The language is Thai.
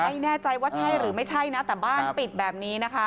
ไม่แน่ใจว่าใช่หรือไม่ใช่นะแต่บ้านปิดแบบนี้นะคะ